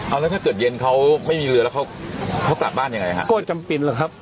เอาแล้วถ้าเกิดเย็นเขาไม่มีเรือแล้วเขาเขากลับบ้านยังไงฮะก็จำเป็นแล้วครับ